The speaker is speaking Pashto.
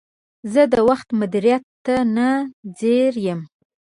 زه د وخت مدیریت ته نه ځیر یم.